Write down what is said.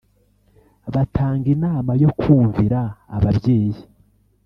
Batanga inama yo kumvira ababyeyi